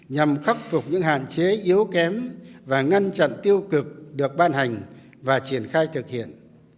nhằm khắc phục những hạn chế yếu kém và ngăn chặn tiêu cực được ban hành và triển khai thực hiện